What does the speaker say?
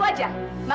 foto miah mana